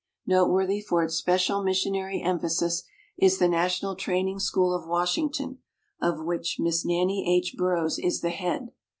Note worthy for its special missionary emphasis is the National Training School of Wash ington, of which Miss Nannie H. Burroughs is the head.